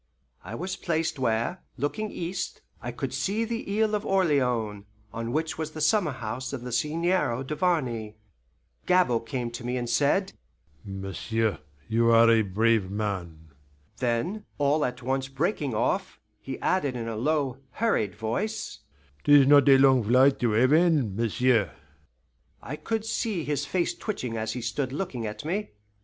I was placed where, looking east, I could see the Island of Orleans, on which was the summer house of the Seigneur Duvarney. Gabord came to me and said, "M'sieu', you are a brave man" then, all at once breaking off, he added in a low, hurried voice, "'Tis not a long flight to heaven, m'sieu'!" I could see his face twitching as he stood looking at me.